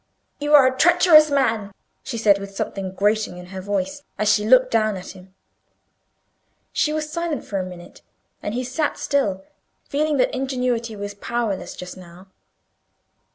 "You are a treacherous man!" she said, with something grating in her voice, as she looked down at him. She was silent for a minute, and he sat still, feeling that ingenuity was powerless just now.